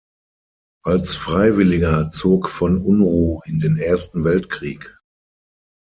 Als Freiwilliger zog von Unruh in den Ersten Weltkrieg.